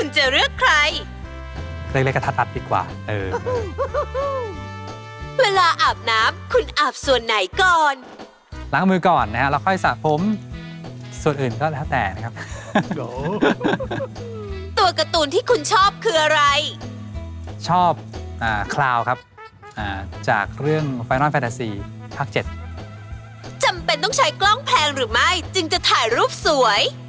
จำเป็นต้องใช้กล้องแพงหรือไม่จึงจะถ่ายรูปสวย